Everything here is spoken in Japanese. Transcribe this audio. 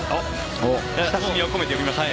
親しみを込めて呼びましたね。